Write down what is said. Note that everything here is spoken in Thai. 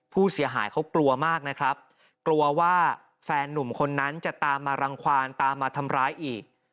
ผู้เสียหายเขากลัวมากนะครับกลัวว่าแฟนนุ่มคนนั้นจะตามมารังความตามมาทำร้ายอีก